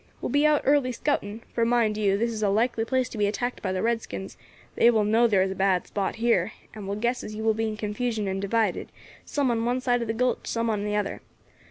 We will be out early scouting for, mind you, this is a likely place to be attacked by the redskins; they will know there is a bad spot here, and will guess as you will be in confusion and divided, some on one side of the gulch, some on the other.